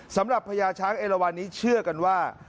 พญาช้างเอลวันนี้เชื่อกันว่า